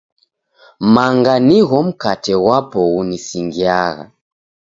Manga nigho mkate ghwapo ghunisingiagha.